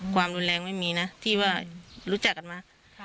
ความรุนแรงไม่มีนะที่ว่ารู้จักกันมา